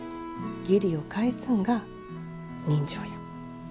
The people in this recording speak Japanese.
義理を返すんが人情や。